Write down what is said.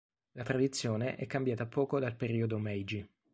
La tradizione è cambiata poco dal periodo Meiji.